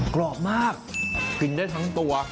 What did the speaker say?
กรอบมากกินได้ทั้งตัว